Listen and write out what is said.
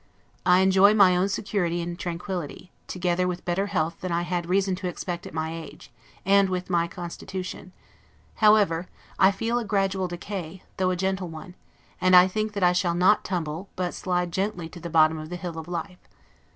I enjoy my own security and tranquillity, together with better health than I had reason to expect at my age, and with my constitution: however, I feel a gradual decay, though a gentle one; and I think that I shall not tumble, but slide gently to the bottom of the hill of life.